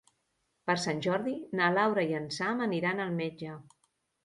Per Sant Jordi na Laura i en Sam aniran al metge.